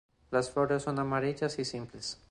Las flores son amarillas y simples.